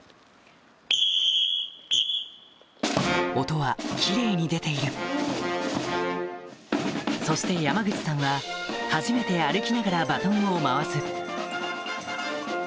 音はキレイに出ているそして山口さんは初めて歩きながらバトンを回す